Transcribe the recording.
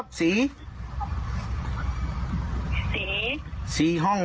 ที่ไหนที่ไหนที่ไหน